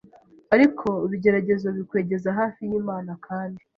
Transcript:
ariko ibigeragezo bikwegeza hafi y’Imana kandi